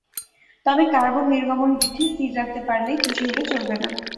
তবে কার্বন নির্গমন বৃদ্ধি স্থির রাখতে পারলেই খুশি হলে চলবে না।